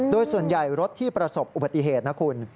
โดยส่วนใหญ่รถที่ประสบอุบัติเหตุนะคุณ